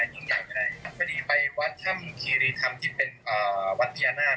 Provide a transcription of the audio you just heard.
โหล่ะอัพไปฟังเสียงหน่อยค่ะ